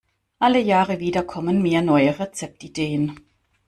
Alle Jahre wieder kommen mir neue Rezeptideen.